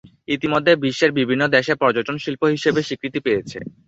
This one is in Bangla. ইতিমধ্যে বিশ্বের বিভিন্ন দেশে পর্যটন শিল্প হিসেবে স্বীকৃতি পেয়েছে।